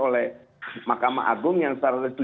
oleh mahkamah agung yang